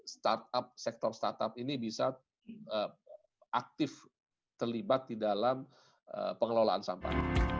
startup sektor startup ini bisa aktif terlibat di dalam pengelolaan sampah